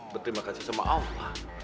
berterima kasih sama allah